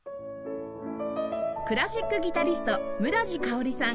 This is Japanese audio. クラシックギタリスト村治佳織さん